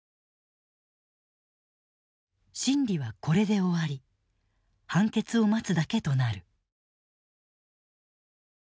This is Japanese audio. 審理はこれで終わり判決を待つだけとなる。